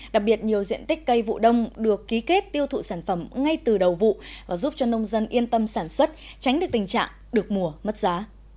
đặc biệt nhiều diện tích cây vụ đông được ký kết tiêu thụ sản phẩm ngay từ đầu vụ và giúp cho nông dân yên tâm sản xuất tránh được tình trạng được mùa mất giá